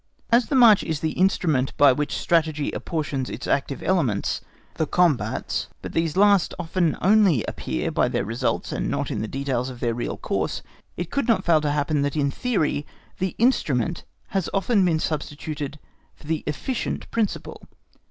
As the march is the instrument by which strategy apportions its active elements, the combats, but these last often only appear by their results and not in the details of their real course, it could not fail to happen that in theory the instrument has often been substituted for the efficient principle.